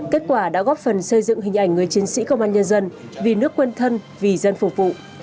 kết quả đã góp phần xây dựng hình ảnh người chiến sĩ công an nhân dân vì nước quân thân vì dân phục vụ